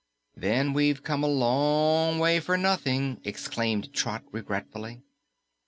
"Then we've come a long way for nothing!" exclaimed Trot regretfully.